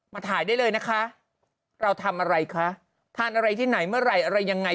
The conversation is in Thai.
ถ่ายได้เลยนะคะเราทำอะไรคะทานอะไรที่ไหนเมื่อไหร่อะไรยังไง